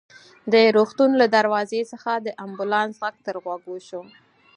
د روغتون له دروازې څخه د امبولانس غږ تر غوږو شو.